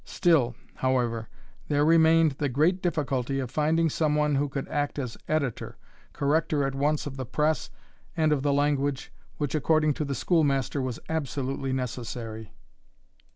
Still, however, there remained the great difficulty of finding some one who could act as editor, corrector at once of the press and of the language, which, according to the schoolmaster, was absolutely necessary.